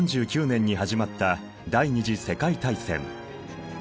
１９３９年に始まった第二次世界大戦。